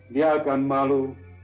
dia akan malu